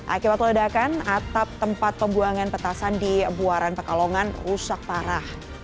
akibat ledakan atap tempat pembuangan petasan di buaran pekalongan rusak parah